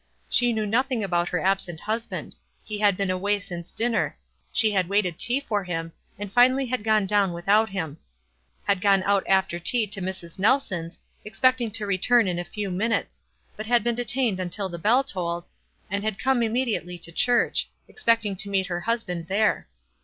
She knew nothing about her absent husband ; ho had been away since dinner ; she had waited tea for him, and finally had gone down without him ; had gone out after tea to Mrs. Nelson's, expect ing to return in a few minutes ; but had been detained until the bell tolled, and had come im mediately to church, expecting to meet her hus band there.